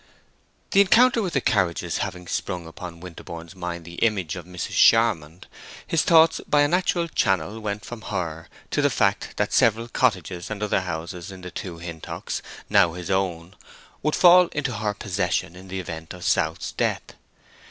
The encounter with the carriages having sprung upon Winterborne's mind the image of Mrs. Charmond, his thoughts by a natural channel went from her to the fact that several cottages and other houses in the two Hintocks, now his own, would fall into her possession in the event of South's death.